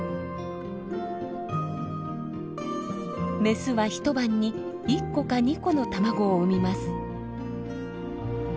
メスは一晩に１個か２個の卵を産みます。